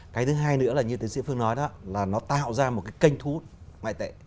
cái thứ hai nữa là như tiến sĩ phương nói đó là nó tạo ra một cái kênh thu hút ngoại tệ